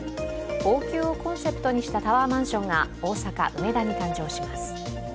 王宮をコンセプトにしたタワーマンションが大阪・梅田に誕生します。